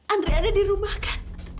andre ada di rumah kan